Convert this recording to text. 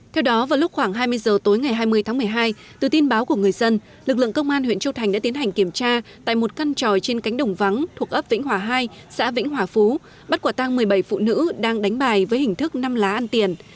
theo đó vào lúc khoảng hai mươi giờ tối ngày hai mươi tháng một mươi hai từ tin báo của người dân lực lượng công an huyện châu thành đã tiến hành kiểm tra tại một căn tròi trên cánh đồng vắng thuộc ấp vĩnh hòa hai xã vĩnh hòa phú bắt quả tang một mươi bảy phụ nữ đang đánh bài với hình thức năm lá ăn tiền